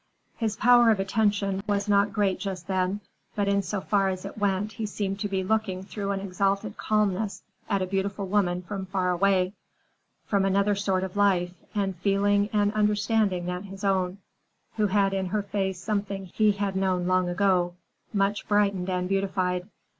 His power of attention was not great just then, but in so far as it went he seemed to be looking through an exalted calmness at a beautiful woman from far away, from another sort of life and feeling and understanding than his own, who had in her face something he had known long ago, much brightened and beautified.